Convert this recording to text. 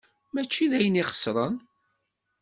Mačči d ayen ixesren.